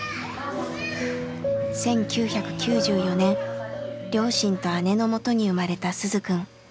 １９９４年両親と姉のもとに生まれた鈴くん。